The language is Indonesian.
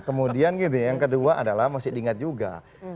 kemudian yang kedua adalah masih diingat juga